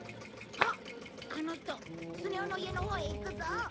あの人スネ夫の家のほうへ行くぞ。